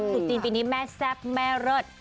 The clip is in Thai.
จุดจีนปีนี้แม่แซ่บแม่เลิศ